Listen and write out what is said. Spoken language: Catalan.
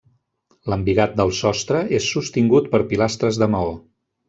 L'embigat del sostre és sostingut per pilastres de maó.